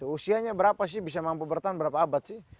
usianya berapa sih bisa mampu bertahan berapa abad sih